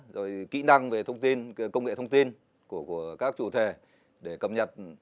rồi kỹ năng về thông tin công nghệ thông tin của các chủ thể để cập nhật